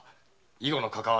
以後のかかわり